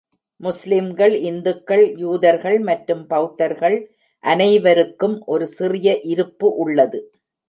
முஸ்லிம்கள், இந்துக்கள், யூதர்கள் மற்றும் பௌத்தர்கள் அனைவருக்கும் ஒரு சிறிய இருப்பு உள்ளது.